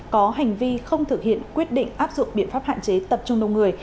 có hành vi không thực hiện quyết định áp dụng biện pháp hạn chế tập trung đông người